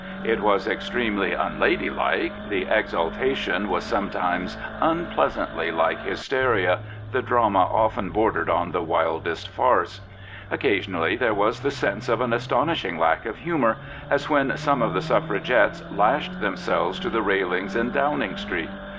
It was extremely unladylike,'" the exaltation was some times unpleasantly like hysteria, the drama often bordered on the wildest farce. Occasionally there was the sense of an astonishing lack of humour, as when some of the Suffragettes lashed themselves to the railings in Downing Street.